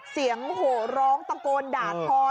เสียงโหร้องตะโกนด่าท้อน